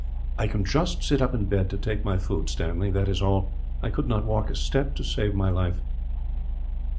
"I can just sit up in bed to take my food, Stanley, that is all. I could not walk a step to save my life."